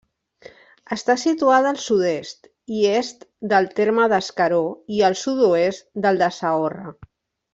Està situada al sud-est i est del terme d'Escaró i al sud-oest del de Saorra.